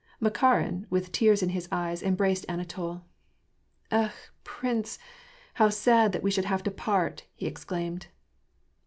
Makarin, with tears in his eyes, embraced Anatol. *' Ekh ! prince, how sad that we should have to part !" he exclaimed.